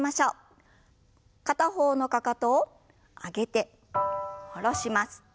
片方のかかとを上げて下ろします。